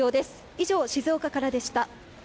以上、静岡からでした。